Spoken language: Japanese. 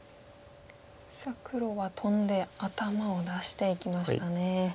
さあ黒はトンで頭を出していきましたね。